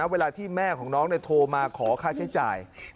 เวลาที่แม่ของน้องโทรมาขอค่าใช้จ่าย